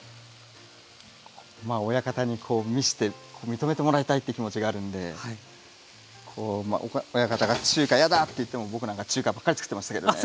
親方に見して認めてもらいたいっていう気持ちがあるんで親方が中華嫌だって言っても僕なんか中華ばっかりつくってましたけどね。